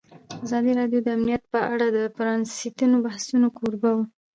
ازادي راډیو د امنیت په اړه د پرانیستو بحثونو کوربه وه.